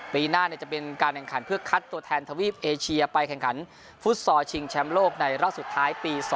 ปีหน้าจะเป็นการแข่งขันเพื่อคัดตัวแทนทวีปเอเชียไปแข่งขันฟุตซอลชิงแชมป์โลกในรอบสุดท้ายปี๒๐